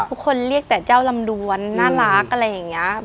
ทุกคนเรียกแต่เจ้าลำดวนน่ารักอะไรอย่างนี้